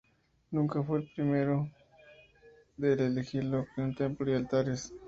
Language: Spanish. Numa fue el primero que le erigió un templo y altares.